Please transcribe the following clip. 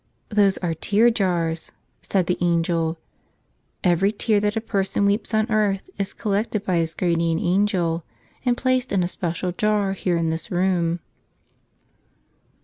<< These are tear jars," said the angel. "Every tear that a person weeps on earth is collected by his guar¬ dian angel and placed in a special jar here in this room."